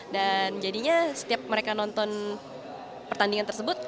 dan jadinya setiap mereka nonton pertandingan tersebut